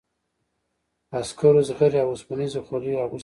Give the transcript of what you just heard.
عسکرو زغرې او اوسپنیزې خولۍ اغوستي دي.